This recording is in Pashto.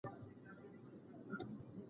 ده هیله درلوده چې سبا به ښه وي.